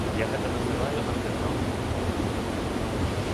Я гэта называю андэграўндным паб-рокам.